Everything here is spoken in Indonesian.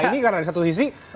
ini karena di satu sisi